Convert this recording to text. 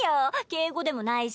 敬語でもないし。